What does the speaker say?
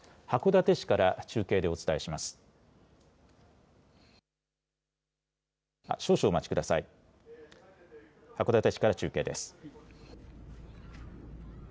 函館市から中継です。